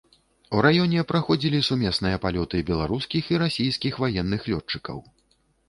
У раёне праходзілі сумесныя палёты беларускіх і расійскіх ваенных лётчыкаў.